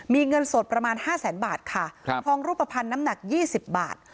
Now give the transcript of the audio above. มีเงินสดประมาณห้าแสนบาทค่ะครับทองรูปภัณฑ์น้ำหนัก๒๐บาท